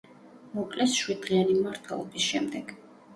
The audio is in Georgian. მოკლეს შვიდდღიანი მმართველობის შემდეგ.